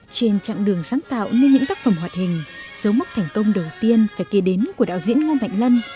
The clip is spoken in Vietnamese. trên chặng đường sáng tạo nên những tác phẩm hoạt hình dấu mốc thành công đầu tiên phải kể đến của đạo diễn ngô mạnh lân